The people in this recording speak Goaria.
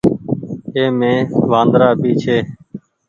اي مي وآندرآ ڀي ڇي۔